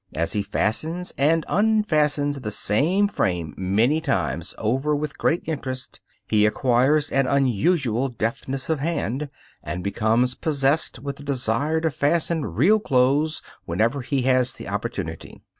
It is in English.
(Fig. 4.) As he fastens and unfastens the same frame many times over with great interest, he acquires an unusual deftness of hand, and becomes possessed with the desire to fasten real clothes whenever he has the opportunity.